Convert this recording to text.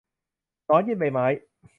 หนอนกินใบไม้